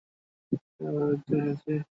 আমরা তো যাদু দেখতে এসেছি।